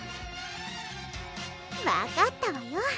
分かったわよ